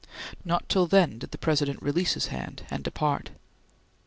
Not till then did the President release his hand and depart.